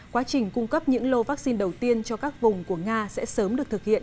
quá trình cung cấp những lô vaccine đầu tiên cho các vùng của nga sẽ sớm được thực hiện